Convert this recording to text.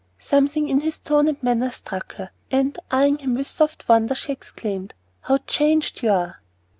Something in his tone and manner struck her, and, eyeing him with soft wonder, she exclaimed, "How changed you are!"